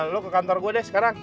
lo ke kantor gue deh sekarang